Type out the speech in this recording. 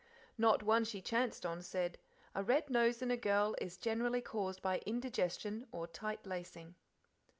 Not one she chanced on said, "A red nose in a girl is generally caused by indigestion or tight lacing."